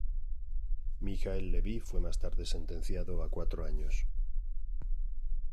Michael Levy fue más tarde sentenciado a cuatro años.